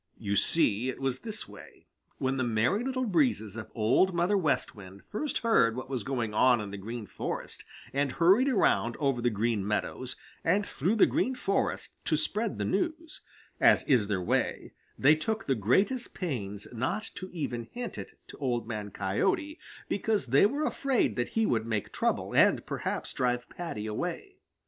You see, it was this way: When the Merry Little Breezes of Old Mother West Wind first heard what was going on in the Green Forest and hurried around over the Green Meadows and through the Green Forest to spread the news, as is their way, they took the greatest pains not to even hint it to Old Man Coyote because they were afraid that he would make trouble and perhaps drive Paddy away.